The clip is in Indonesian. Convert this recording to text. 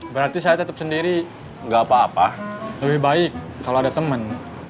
berarti saya tetap sendiri nggak apa apa lebih baik kalau ada temen